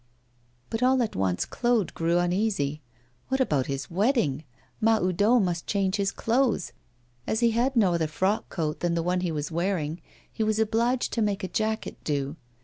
But all at once Claude grew uneasy. What about his wedding? Mahoudeau must change his clothes. As he had no other frock coat than the one he was wearing, he was obliged to make a jacket do.